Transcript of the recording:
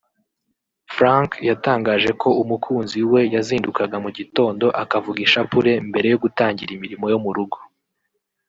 Frank yatangaje ko umukunzi we yazindukaga mu gitondo akavuga ishapule mbere yo gutangira imirimo yo mu rugo